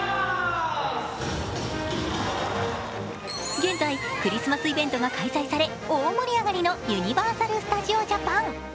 現在、クリスマスイベントが開催され大盛り上がりのユニバーサル・スタジオ・ジャパン。